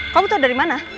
lo tau dari mana